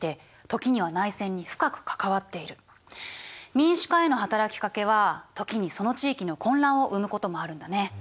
民主化への働きかけは時にその地域の混乱を生むこともあるんだね。